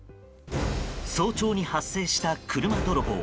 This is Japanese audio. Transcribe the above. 早朝に発生した車泥棒。